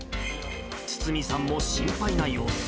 堤さんも心配な様子。